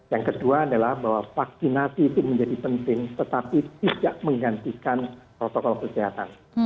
yang kedua adalah bahwa vaksinasi itu menjadi penting tetapi tidak menggantikan protokol kesehatan